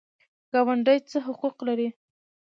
ګاونډي څه حقوق لري؟